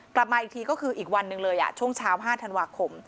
กลับมาอีกทีก็คืออีกวันหนึ่งเลยช่วงเช้า๕ธันวาคม